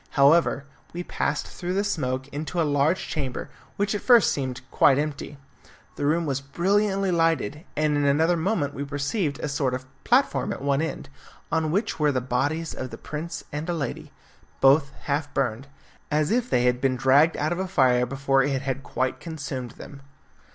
However, we passed through the smoke into a large chamber, which at first seemed quite empty. The room was brilliantly lighted, and in another moment we perceived a sort of platform at one end, on which were the bodies of the prince and a lady, both half burned, as if they had been dragged out of a fire before it had quite consumed them.